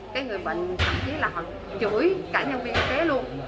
cái người bệnh thậm chí là họ chửi cả nhân viên y tế luôn